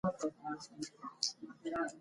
فرایض په خپل وخت او پوره توګه ادا کړه.